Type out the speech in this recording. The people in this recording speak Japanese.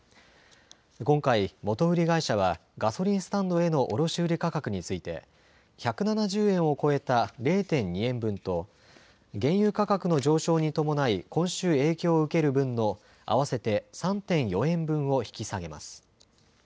今回、元売り会社はガソリンスタンドへの卸売り価格について１７０円を超えた０．２円分と原油価格の上昇に伴い今週、影響を受ける分の合わせて３．４円分を引き下げます。